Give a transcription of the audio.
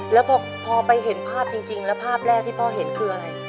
แล้วพอไปเห็นภาพจริงแล้วภาพแรกที่พ่อเห็นคืออะไร